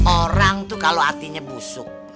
orang tuh kalau hatinya busuk